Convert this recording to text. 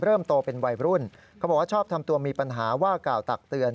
โตเป็นวัยรุ่นเขาบอกว่าชอบทำตัวมีปัญหาว่ากล่าวตักเตือน